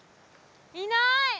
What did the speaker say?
いない！